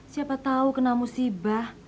siapa tahu kena musibah